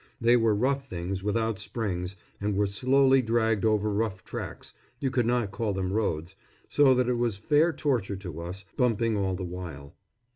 They were rough things without springs, and were slowly dragged over rough tracks you could not call them roads so that it was fair torture to us, bumping all the while.